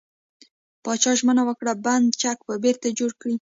پاچا ژمنه وکړه، بند چک به بېرته جوړ کړي .